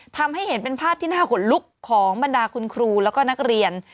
ทำให้เห็นเป็นภาพที่น่าขนลุกของบรรดาคุณครูแล้วก็นักเรียน